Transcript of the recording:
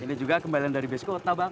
ini juga kembalian dari base kota bang